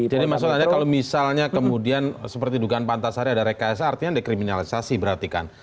jadi maksudnya kalau misalnya kemudian seperti dugaan pak antasari ada rekayasa artinya ada kriminalisasi berarti kan